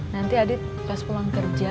nanti adit pas pulang kerja